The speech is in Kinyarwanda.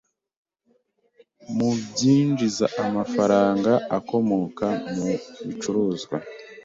mu byinjiza amafaranga akomoka mu bicuruzwa